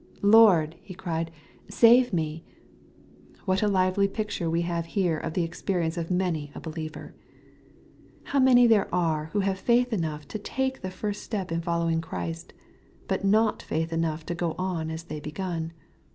^^ Lord/' He cried, " save me/' What a lively picture we have here of the experience <if many a believer 1 How many there are who have Cftith enough to take the first step in following Christ, , but not faith enough to go on as they begun.